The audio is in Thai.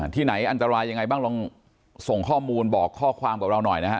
ที่ไหนอันตรายยังไงบ้างลองส่งข้อมูลบอกข้อความกับเราหน่อยนะฮะ